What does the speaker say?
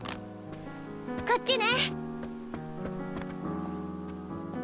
こっちね。